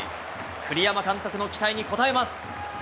栗山監督の期待に応えます。